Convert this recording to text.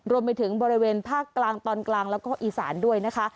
รวมไปถึงบริเวณภาคกลางตอนกลางแล้วก็อีสานด้วยนะคะ